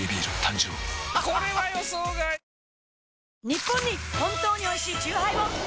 ニッポンに本当においしいチューハイを！